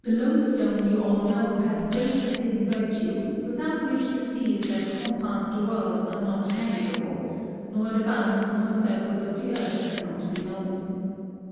] "The load stone you all know hath great and hidden vertue, without which the seas that compas the world ar not navigable, nor the bounds nor circles of the earth cannot be knowen.